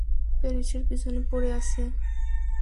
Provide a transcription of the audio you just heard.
প্যারিসের পিছনে পড়ে আছে।